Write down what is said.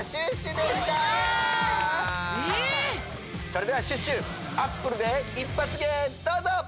それではシュッシュ「アップル」で一発芸どうぞ！